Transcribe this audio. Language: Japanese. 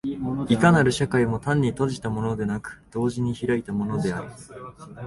いかなる社会も単に閉じたものでなく、同時に開いたものである。